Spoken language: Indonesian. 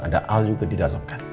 ada al juga di dalam kan